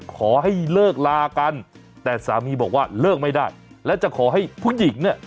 ขอให้เลิกลากันแต่สามีบอกว่าเลิกไม่ได้และจะขอให้ผู้หญิงเนี่ย